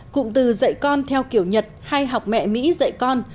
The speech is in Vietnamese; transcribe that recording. cụm từ dạy con theo kiểu nhật hay học mẹ mỹ dạy con